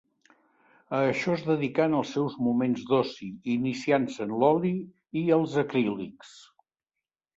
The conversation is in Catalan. A això es dedicà en els seus moments d’oci, iniciant-se en l'oli i els acrílics.